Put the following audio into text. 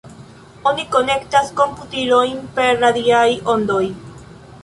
Oni konektas komputilojn per radiaj ondoj.